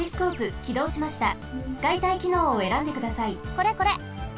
これこれ！